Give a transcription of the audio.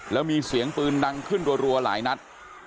แล้วมีเสียงปืนดังขึ้นรัวหลายนัด